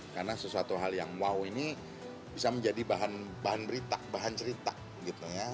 karena sesuatu hal yang wow ini bisa menjadi bahan berita bahan cerita gitu ya